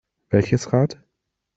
Welches Rad?